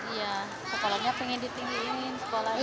iya sekolahnya pengen ditinggiin